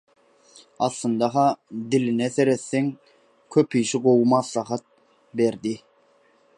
Aslynda-ha diline seretseň köp kişi gowy maslahat berdi.